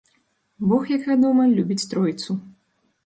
Бог, як вядома, любіць тройцу.